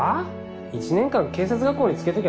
１年間警察学校に漬けときゃ